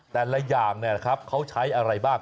แต่อะไรอย่างเนี่ยแบบเขาใช้อะไรบ้าง